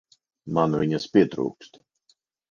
Man viņas pietrūkst.